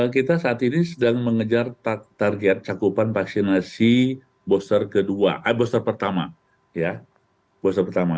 kita saat ini sedang mengejar target cakupan vaksinasi booster pertama